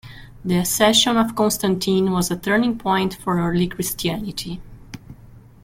The accession of Constantine was a turning point for early Christianity.